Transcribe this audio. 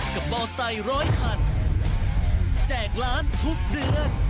กับบอสไตล์ร้อยคันแจกล้านทุกเดือน